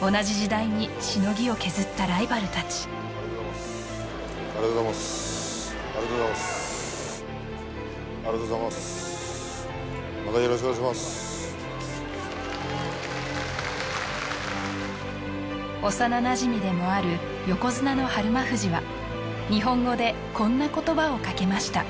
同じ時代にしのぎを削ったライバルたちありがとうございますありがとうございますありがとうございます幼なじみでもある横綱の日馬富士は日本語でこんな言葉をかけました